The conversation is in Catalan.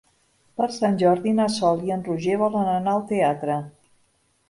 Per Sant Jordi na Sol i en Roger volen anar al teatre.